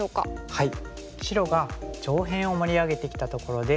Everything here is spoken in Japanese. はい。